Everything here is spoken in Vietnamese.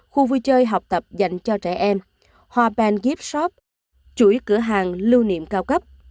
khu vui chơi học tập dành cho trẻ em hòa band gift shop chủy cửa hàng lưu niệm cao cấp